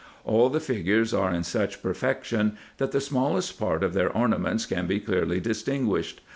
All the figures are in such perfection, that the smallest part of their orna ments can be clearly distinguished.